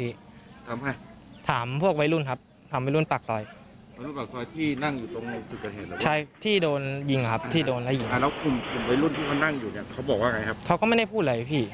อีกละพักก็เกิดเสียงกล่ออะไรกันไม่นะครับ